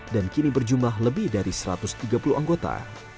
dan kini berjumlah lebih dari satu ratus tiga puluh anggota